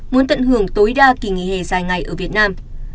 muốn tận hưởng tối đa kỳ nghỉ hè dài ngày ở việt nam